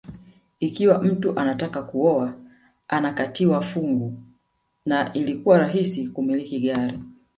Ikiwa mtu anataka kuoa anakatiwa fungu na ilikuwa rahisi kumiliki gari